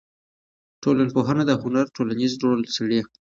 ټولنپوهنه د هنر ټولنیز رول څېړي.